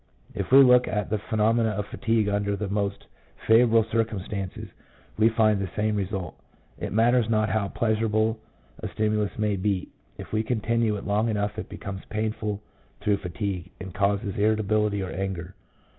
If we look at the phenomena of fatigue under the most favourable circumstances, we find the same result. It matters not how pleasurable a stimulus may be, if we continue it long enough it becomes painful through fatigue, and causes irritability or anger.